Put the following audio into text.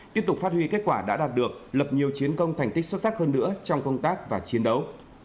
tiếp tục phát huy kết quả đã đạt được lập nhiều chiến công thành tích xuất sắc hơn nữa trong công tác và chiến đấu